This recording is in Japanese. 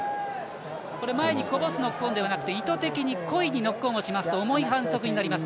前にこぼすノックオンではなくて意図的に故意にノックオンをしますと重い反則になります。